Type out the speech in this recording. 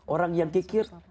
orang yang kikir